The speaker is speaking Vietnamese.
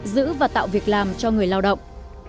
giữ và tạo việc làm cho người lao động